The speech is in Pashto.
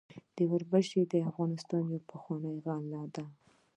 وربشې د افغانستان یوه پخوانۍ غله ده.